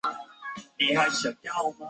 结果反被御史刘其年参劾结党。